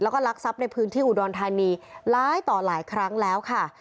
และลักษับในพื้นที่อุดรธานีล้ายต่อหลายครั้งแล้วค่ะ